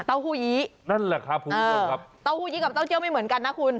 เต้าหู้ยีนั่นแหละครับเออเต้าหู้ยีกับเต้าเจี้ยวไม่เหมือนกันนะคุณ